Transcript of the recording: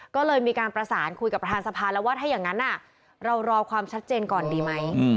ก็เลยมีการประสานคุยกับประธานสภาแล้วว่าถ้าอย่างนั้นเรารอความชัดเจนก่อนดีไหม